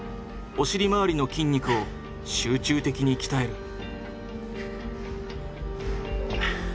お尻周りの筋肉を集中的に鍛える。